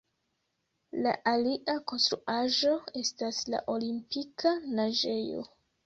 La alia konstruaĵo estas la Olimpika naĝejo.